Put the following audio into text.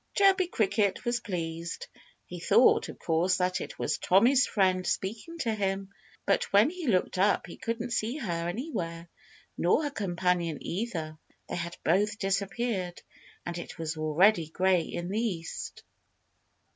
Chirpy Cricket was pleased. He thought, of course, that it was Tommy's friend speaking to him. But when he looked up he couldn't see her anywhere nor her companion either. They had both disappeared. And it was already gray in the east.